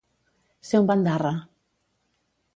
Ser un bandarra.